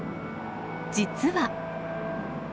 実は。